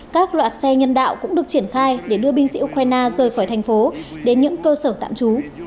các loại xe nhân đạo cũng được triển khai để đưa binh sĩ ukraine rời khỏi thành phố đến những cơ sở tạm trú